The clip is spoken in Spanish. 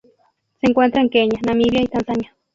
Se encuentra en Kenia, Namibia y Tanzania.